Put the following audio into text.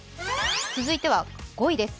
続いては５位です。